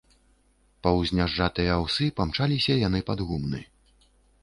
Паўз нязжатыя аўсы памчаліся яны пад гумны.